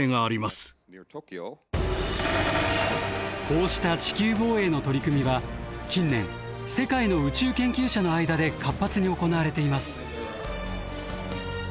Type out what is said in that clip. こうした地球防衛の取り組みは近年世界の宇宙研究者の間で活発に行われています。